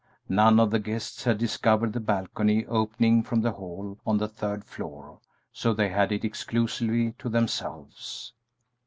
None of the guests had discovered the balcony opening from the hall on the third floor, so they had it exclusively to themselves.